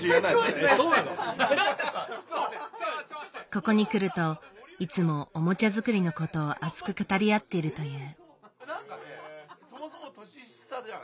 ここに来るといつもおもちゃ作りのことを熱く語り合っているという。